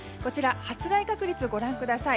発雷確率、ご覧ください。